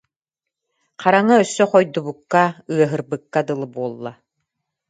Хараҥа өссө хойдубукка, ыаһырбыкка дылы буолла